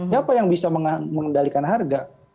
siapa yang bisa mengendalikan harga